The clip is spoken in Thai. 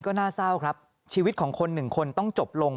ก็น่าเศร้าครับชีวิตของคนหนึ่งคนต้องจบลง